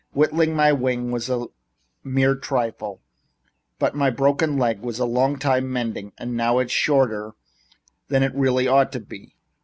Whittling my wing was a mere trifle, but my broken leg was a long time mending, and now it's shorter than it really ought to be.